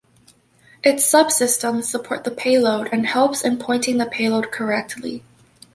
Its subsystems support the payload and helps in pointing the payload correctly.